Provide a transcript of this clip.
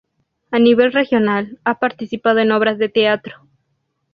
A nivel regional, ha participado en obras de teatro.